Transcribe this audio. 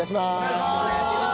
よろしくお願いします。